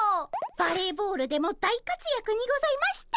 バレーボールでも大活躍にございました。